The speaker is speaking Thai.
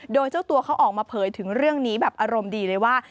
โดยเจ้าตัวเขาออกมาเผยถึงเรื่องนี้แบบอารมณ์ดีเลยว่า